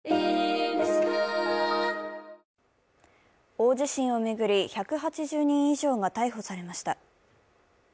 大地震を巡り、１８０人以上が逮捕されました。